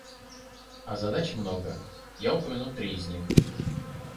А задач много; я упомяну три из них.